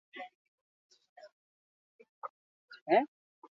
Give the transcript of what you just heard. Webgunean zure jarraitzaileei erronkak proposatzeko eskatzen diezu.